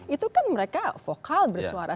itu kan mereka vokal bersuara